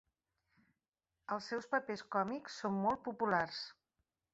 Els seus papers còmics són molt populars.